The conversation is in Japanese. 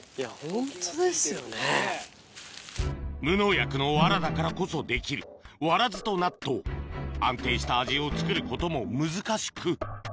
無農薬の藁だからこそできる藁づと納豆安定した味を作ることも難しく